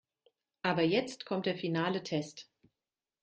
Aber jetzt kommt der finale Test.